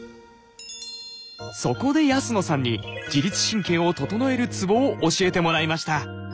そこで安野さんに自律神経を整えるツボを教えてもらいました。